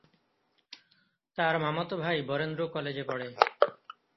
তার মামাতো ভাই বরেন্দ্র কলেজে পড়ে।